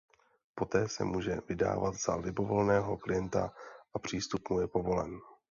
Poté se může vydávat za libovolného klienta a přístup mu je povolen.